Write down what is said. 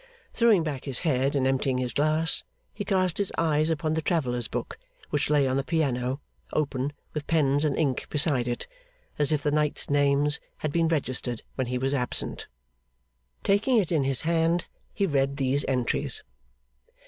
Throwing back his head in emptying his glass, he cast his eyes upon the travellers' book, which lay on the piano, open, with pens and ink beside it, as if the night's names had been registered when he was absent. Taking it in his hand, he read these entries.